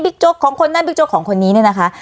บิ๊กจกของคนั้นบิ๊กจกของคนนี้นะคะ